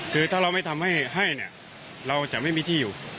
คือถ้าเราไม่ทำให้ให้เนี่ยเราจะไม่มีที่อยู่